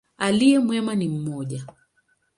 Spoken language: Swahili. Aliye mwema ni mmoja.